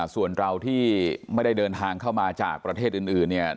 ส่วนเราที่ไม่ได้เดินทางเข้ามาจากประเทศอื่นเนี่ย